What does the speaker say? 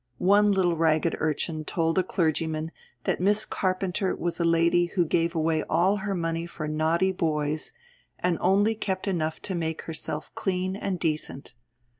One little ragged urchin told a clergyman that Miss Carpenter was a lady who gave away all her money for naughty boys, and only kept enough to make herself clean and decent.